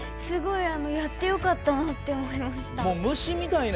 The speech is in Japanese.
すごいやってよかったなって思いました。